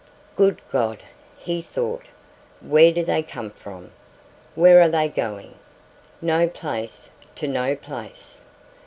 "Good God," he thought, "where do they come from? Where are they going? No place to no place.